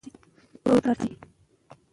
روباټونه به ارزانه شي.